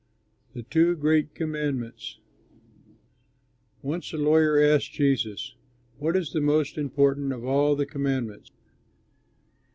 THE TWO GREAT COMMANDMENTS Once a lawyer asked Jesus, "What is the most important of all the commandments?"